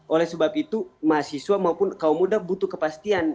oleh sebab itu mahasiswa maupun kaum muda butuh kepastian